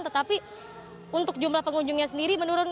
tetapi untuk jumlah pengunjungnya sendiri menurun